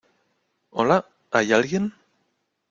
¿ hola? ¿ hay alguien ?